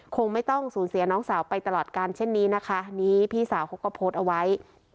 คงไม่ต้องสูญเสียน้องสาวไปตลอดการเช่นนี้นะคะอันนี้พี่สาวเขาก็โพสต์เอาไว้